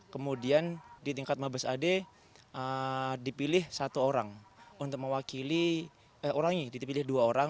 kemudian di tingkat mabes ade dipilih satu orang untuk mewakili orangnya dipilih dua orang